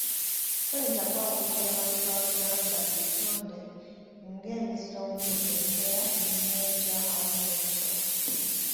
Toyinza kwawukanya bantu ba Buganda ku butonde ng’emiziro omuli ebimera, ebyennyanja awamu n’ebisolo.